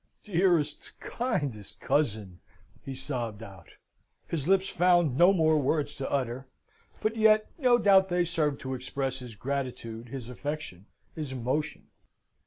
"Dearest, kindest cousin!" he sobbed out. His lips found no more words to utter, but yet, no doubt they served to express his gratitude, his affection, his emotion.